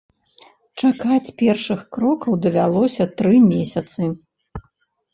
Чакаць першых крокаў давялося тры месяцы.